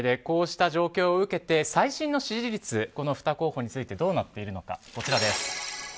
こうした状況を受けて最新の支持率、２候補についてどうなっているのか。